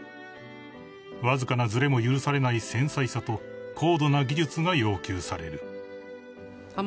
［わずかなずれも許されない繊細さと高度な技術が要求される］